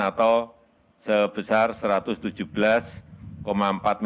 atau sebesar satu ratus tujuh belas lima persen